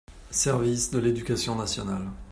Service de l’éducation nationale.